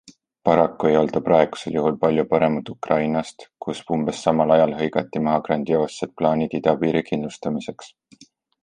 Paraku ei olda praegusel juhul palju paremad Ukrainast, kus umbes samal ajal hõigati maha grandioossed plaanid idapiiri kindlustamiseks.